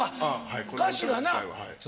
歌詞がな。